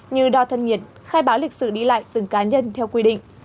như đo thân nhiệt khai báo lịch sử đi lại từng cá nhân theo quy định